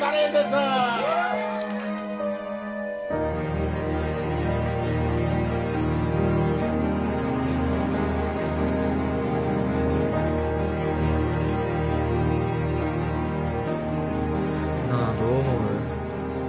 なあどう思う？